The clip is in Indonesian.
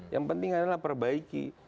yang penting adalah perbaiki